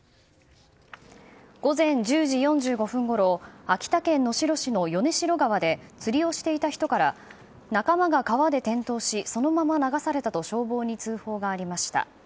午前１０時４５分ごろ秋田県能代市の米代川で釣りをしていた人から仲間が川で転倒しそのまま流されたと消防に通報がありました。